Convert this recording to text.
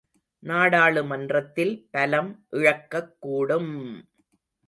நாடாளுமன்றத்தில் பலம் இழக்கக்கூடும்!